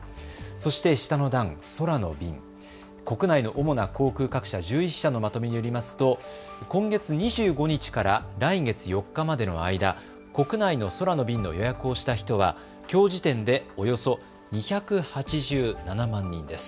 そして下の段、空の便、国内の主な航空各社１１社のまとめによりますと今月２５日から来月４日までの間、国内の空の便の予約をした人はきょう時点でおよそ２８７万人です。